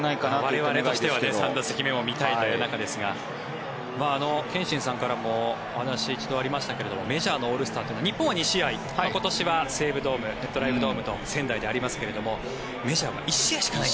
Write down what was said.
我々としては３打席目も見たいという中ですが憲伸さんからも１度お話がありましたがメジャーのオールスターというのは日本は２試合今年はメットライフドームと仙台でありますがメジャーは１試合しかない。